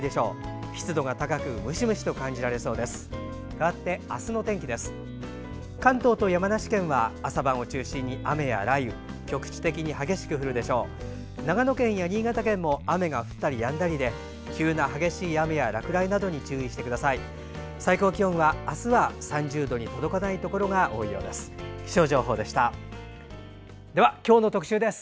最高気温は明日は３０度に届かないところが多いようです。